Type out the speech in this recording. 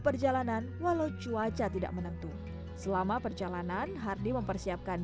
perjalanan walau cuaca tidak menentu selama perjalanan hardy mempersiapkan